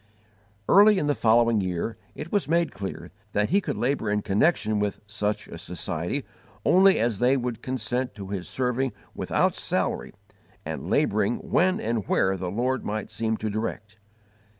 Early in the following year it was made clear that he could labour in connection with such a society only as they would consent to his _serving without salary and labouring when and where the Lord might seem to direct.